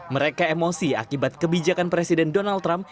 mereka emosi akibat kebijakan presiden donald trump